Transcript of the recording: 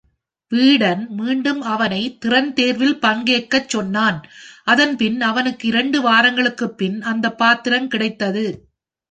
வீடன் மீண்டும் அவனை திறன் தேர்வில் பங்கேற்கச் சொன்னான், அதன் பின் அவனுக்கு இரண்டு வாரங்களுக்குப் பின் அந்த பாத்திரம் கிடைத்தது.